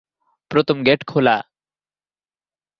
প্রথম গেট খোলা।